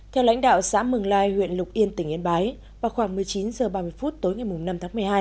theo lãnh đạo xã mường lai huyện lục yên tỉnh yên bái vào khoảng một mươi chín h ba mươi phút tối ngày năm tháng một mươi hai